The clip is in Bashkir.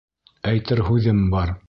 Әйтер һүҙем бар.